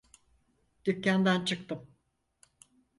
Dükkandan çıktım.